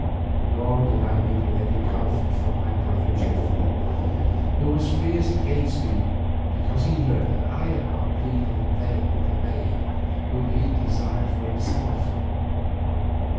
Nor did I meet with any comfort from my brother Geoffrey, who was fierce against me because he learned that I had not pleaded in vain with the maid whom he desired for himself.